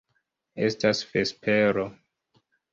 Estas vespero.